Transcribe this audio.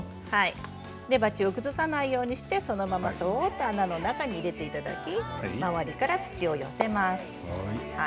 根鉢を崩さないようにそのままそっと穴の中に入れていただき周りから土を寄せます。